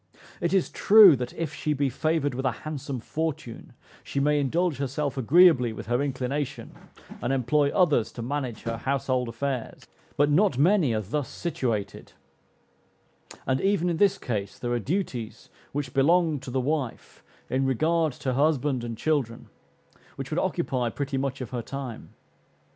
It is true, that if she be favored with a handsome fortune, she may indulge herself agreeably with her inclination, and employ others to manage her household affairs; but not many are thus situated; and, even in this case, there are duties which belong to the wife, in regard to her husband and children, which would occupy pretty much of her time.